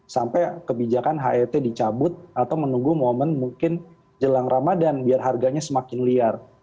sampai kebijakan het dicabut atau menunggu momen mungkin jelang ramadan biar harganya semakin liar